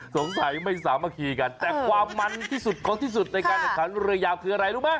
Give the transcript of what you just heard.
สงสัยไม่สามารถคีกันแต่ความมันที่สุดของที่สุดในการแข่งขันเรือยาวคืออะไรรู้ไหม